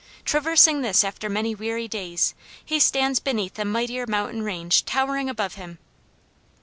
Traversing this after many weary days he stands beneath a mightier mountain range towering above him.